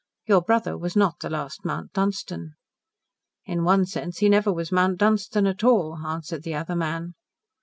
Your brother was not the last Mount Dunstan." "In one sense he never was Mount Dunstan at all," answered the other man.